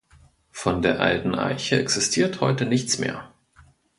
Von der alten Eiche existiert heute nichts mehr.